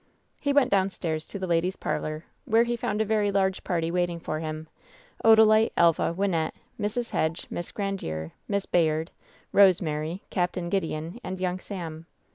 He went downstairs to the ladies' parlor, where he found a large party waiting for him — Odalite, Elva, Wynnette, Mrs. Hedge, Miss Grandiere, Miss Bayard, Rosemary, Capt. Gideon and young Sam.